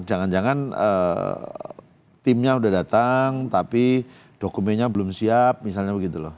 jangan jangan timnya sudah datang tapi dokumennya belum siap misalnya begitu loh